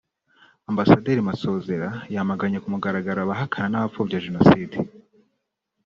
Ambasaderi Masozera yamaganye ku mugaragaro abahakana n’abapfobya Jenoside